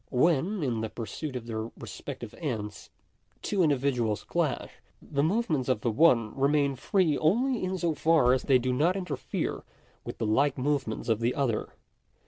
When, in the pursuit of their respective ends, two individuals clash, the movements of the one remain free only in so far as they do not interfere with the like movements of the other.